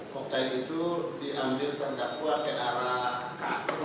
koktel itu diambil terdakwa ke arah k